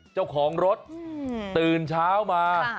เจ้าของรถตื่นเช้ามา